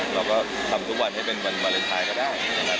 เราก็ทำทุกวันให้เป็นวันวาเลนไทยก็ได้นะครับ